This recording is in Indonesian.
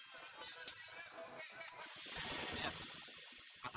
itu dong saudara itu harus kasih duit ya saudara